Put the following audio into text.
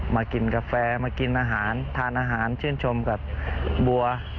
มากินกาแฟมากินอาหารทานอาหารชื่นชมกับบัว